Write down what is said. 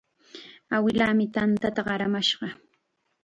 Awilaami tanta qaramashqa.